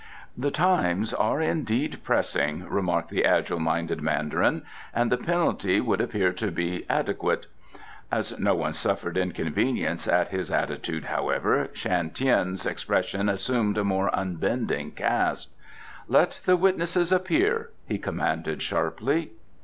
"The times are indeed pressing," remarked the agile minded Mandarin, "and the penalty would appear to be adequate." As no one suffered inconvenience at his attitude, however, Shan Tien's expression assumed a more unbending cast. "Let the witnesses appear," he commanded sharply.